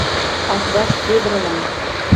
Атбаш Вӧдырлан.